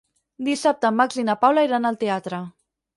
Dissabte en Max i na Paula iran al teatre.